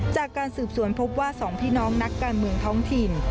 จากการสืบสวนพบว่า๒พี่น้องนักการเมืองท้องถิ่น